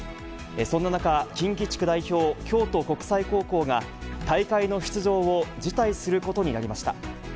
そんな中、近畿地区代表、京都国際高校が、大会の出場を辞退することになりました。